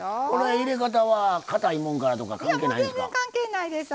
入れ方はかたいもんからとか関係ないんですか。